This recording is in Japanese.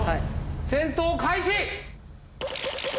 戦闘開始！